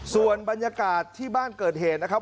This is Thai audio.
ส่วนบรรยากาศที่บ้านเกิดเหตุนะครับ